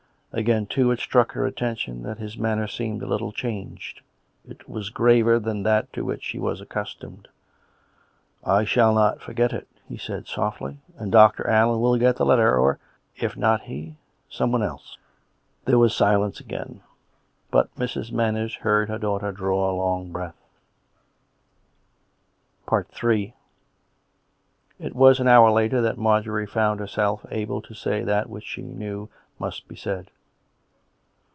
Again, too, it struck her attention that his manner seemed a little changed. It was graver than that to which she was accustomed. " I shall not forget it," he said softly. " And Dr. Allen will get the letter. Or, if not he, someone else." There was silence again, but Mrs. Manners heard her daughter draw a long breath. Ill li was an hour later that Marjorie found herself able to say that which she knew must be said.